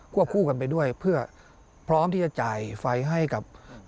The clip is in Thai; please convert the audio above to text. วบคู่กันไปด้วยเพื่อพร้อมที่จะจ่ายไฟให้กับ